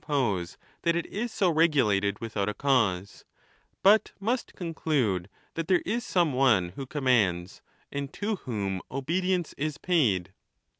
261 pose that it is so regulated without a cause, but must con> elude that there is some one who commands, and to whom obedience is paid.